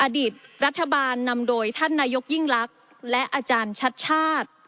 อดีตรัฐบาลนำโดยท่านนายกยิ่งลักษณ์และอาจารย์ชัดชาติ